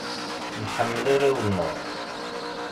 Nḥemmel arraw-nneɣ.